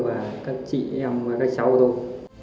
và các chị em và các cháu tôi